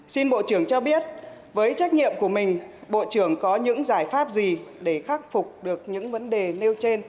xin bộ trưởng cho biết với trách nhiệm của mình bộ trưởng có những giải pháp gì để khắc phục được những vấn đề nêu trên